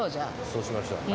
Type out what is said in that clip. そうしましょう。